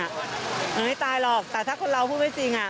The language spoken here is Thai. ไม่ตายหรอกแต่ถ้าคนเราพูดไม่จริง